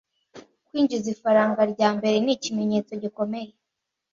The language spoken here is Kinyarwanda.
Kwinjiza ifaranga rya mbere ni ikimenyetso gikomeye